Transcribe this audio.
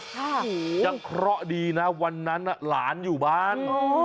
ยังเคราะห์ดีนะวันนั้นหลานอยู่บ้าน